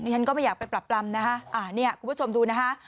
ฉันก็ไม่อยากไปปรับปรำนะคะเนี่ยคุณผู้ชมดูนะคะ